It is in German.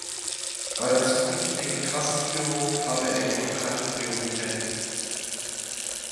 Bei der zukünftigen Trassenführung habe er jedoch „keine Prioritäten“.